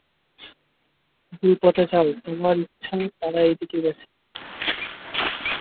ভুল পথে যাও, তোমার ইচ্ছা তারা এই দিকে গেছে।